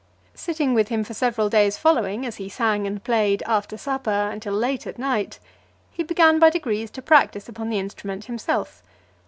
Sitting with him for several days following, as he sang and played after supper, until late at night, he began by degrees to practise upon the instrument himself.